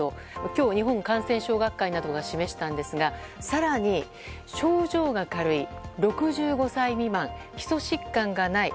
今日、日本感染症学会などが示したんですが更に、症状が軽い６５歳未満基礎疾患がない